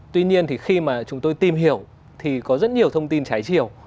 tuy nhiên thì khi mà chúng tôi tìm hiểu thì có rất nhiều thông tin trái chiều